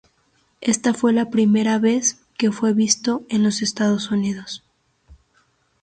Esta fue la primera vez que fue visto en los Estados Unidos.